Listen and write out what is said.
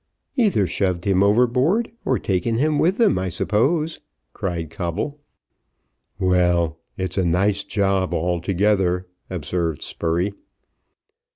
"Either shoved him overboard, or taken him with them, I suppose," cried Coble. "Well, it's a nice job altogether," observed Spurey.